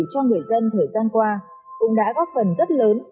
cho người dân thời gian qua cũng đã góp phần rất lớn